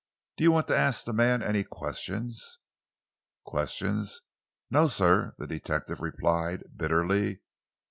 "Do you want to ask the man any questions?" "Questions? No, sir!" the detective replied bitterly.